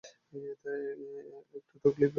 একটা টেকিলা পেতে পারি, প্লিজ?